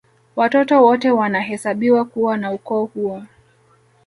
Watoto wote wanahesabiwa kuwa wa ukoo huo